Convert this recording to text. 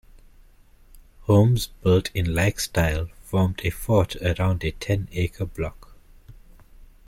Homes built in like style formed a fort around a ten-acre block.